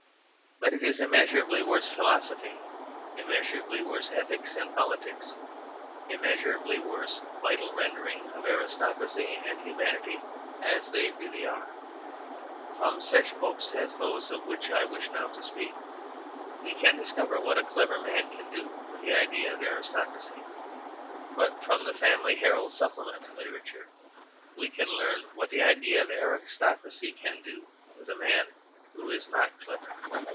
But it is immeasurably worse philosophy, immeasurably worse ethics and politics, immeasurably worse vital rendering of aristocracy and humanity as they really are. From such books as those of which I wish now to speak we can discover what a clever man can do with the idea of aristocracy. But from the Family Herald Supplement literature we can learn what the idea of aristocracy can do with a man who is not clever.